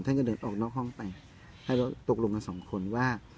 ท่านก็เดินออกนอกห้องไปให้เราตกลงกันสองคนว่า